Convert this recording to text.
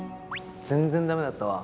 全然ダメだったわ。